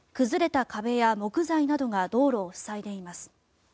崩れた壁や木材などが道路を塞いでいます。